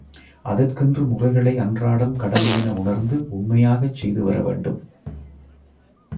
அதற்கென்று முறைகளை அன்றாடம் கடமையென உணர்ந்து, உண்மையாக செய்து வரவேண்டும்.